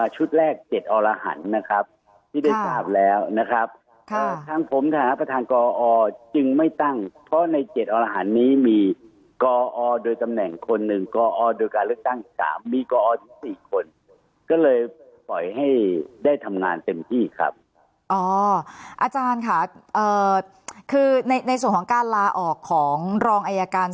๒๕๕๓อศ๒๕๕๓อศ๒๕๕๓อศ๒๕๕๓อศ๒๕๕๓อศ๒๕๕๓อศ๒๕๕๓อศ๒๕๕๓อศ๒๕๕๓อศ๒๕๕๓อศ๒๕๕๓อศ๒๕๕๓อศ๒๕๕๓อศ๒๕๕๓อศ๒๕๕๓อศ๒๕๕๓อศ๒๕๕๓อศ๒๕๕๓อศ๒๕๕๓อศ๒๕๕๓อศ๒๕๕๓อศ๒๕๕๓อศ๒๕๕๓อศ๒๕๕๓อศ๒๕๕๓อศ๒๕๕๓อศ๒๕๕๓อศ๒๕๕๓อ